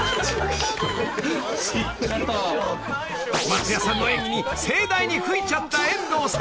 ［松也さんの演技に盛大に噴いちゃった遠藤さんでした］